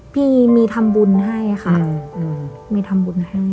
พี่มีทำบุญให้ค่ะมีทำบุญให้